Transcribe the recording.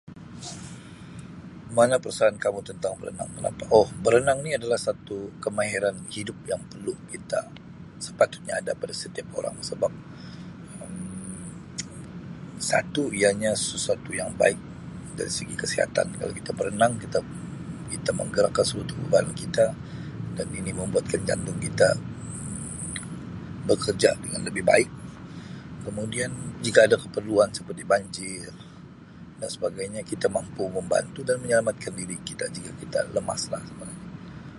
Bagaimana kamu perasaan kamu tentang berenang kenapa ko berenang ni adalah satu kemahiran hidup yang perlu kita sepatutnya ada pada setiap orang sebab Um satu ianya sesuatu yang baik dari segi kesihatan kalau kita berenang kita kita menggerakkan seluruh badan kita dan ini membuatkan jantung kita bekerja dengan lebih baik kemudian jika ada keperluan seperti banjir dan sebagainya kita mampu memabantu dan menyelamatkan diri kita jika kita lemas lah.